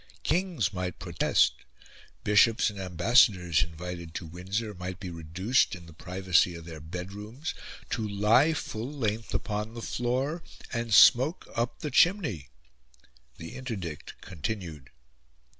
Kings might protest; bishops and ambassadors, invited to Windsor, might be reduced, in the privacy of their bedrooms, to lie full length upon the floor and smoke up the chimney the interdict continued!